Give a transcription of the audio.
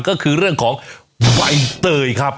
ก็คือเรื่องของใบเตยครับ